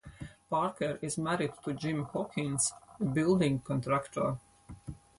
Parker is married to Jim Hawkins, a building contractor.